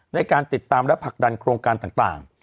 ในการติดตามและผลักดันโครงการต่าง